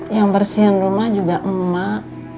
yang bersihin rumah juga emak